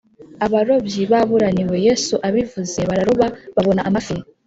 Abarobyi baburaniwe yesu abivuze bararoba babona amafi